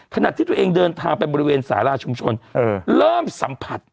ขณะที่ตัวเองเดินทางไปบริเวณสาราชุมชนเริ่มสัมผัส